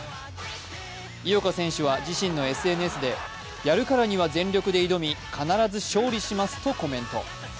井岡選手は自身のＳＮＳでやるからには全力で挑み必ず勝利しますとコメント。